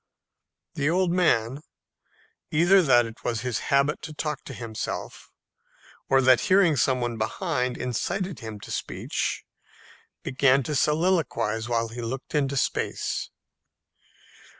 The old man, either that it was his habit to talk to himself, or that hearing some one behind incited him to speech, began to soliloquize while he looked into space.